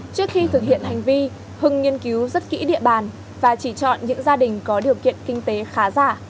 trước khi thực hiện hành vi hưng nghiên cứu rất kỹ địa bàn và chỉ chọn những gia đình có điều kiện kinh tế khá giả